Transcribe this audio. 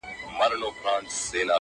قلاګاني د بابا له ميراثونو؛